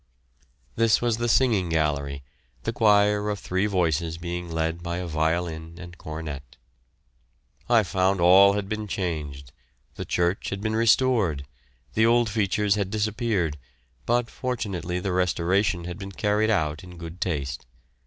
This was the singing gallery, the choir of three voices being led by a violin and cornet. I found all had been changed. The church had been restored; the old features had disappeared; but fortunately the restoration had been carried out in good taste.